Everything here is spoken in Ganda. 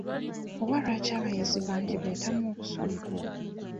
Oba lwaki abayizi bangi beetamwa okusoma?